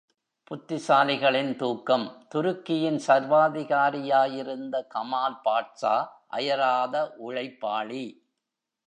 புத்திசாலிகளின் தூக்கம் துருக்கியின் சர்வாதிகாரியாயிருந்த கமால் பாட்சா அயராத உழைப்பாளி.